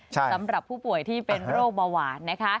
สำหรับผู้ป่วยที่เป็นโรคเบาหวานนะคะ